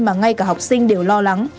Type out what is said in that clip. mà ngay cả học sinh đều lo lắng